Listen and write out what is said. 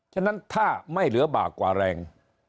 ฉะนั้นถ้าไม่เหลือบากกว่าแรง